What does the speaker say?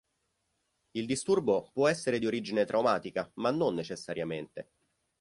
Il disturbo può essere di origine traumatica, ma non necessariamente.